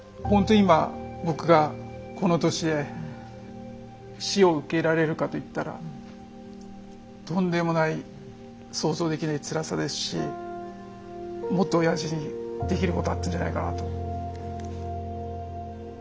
今僕がこの年で死を受け入れられるかといったらとんでもない想像できないつらさですしもっとおやじにできることあったんじゃないかなと。